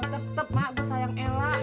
tetep mak bersayang elak